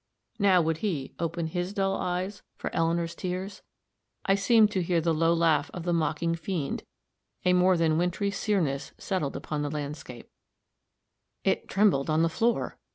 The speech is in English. Now would he "open his dull eyes," for Eleanor's tears? I seemed to hear the low laugh of the mocking fiend; a more than wintry sereness settled upon the landscape: "It trembled on the floor!"